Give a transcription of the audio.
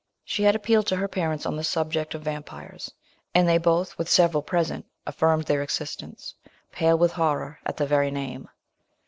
She had appealed to her parents on the subject of Vampyres, and they both, with several present, affirmed their existence, pale with horror at the very name.